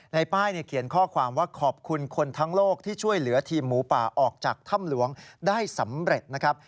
ป้ายเขียนข้อความว่าขอบคุณคนทั้งโลกที่ช่วยเหลือทีมหมูป่าออกจากถ้ำหลวงได้สำเร็จนะครับ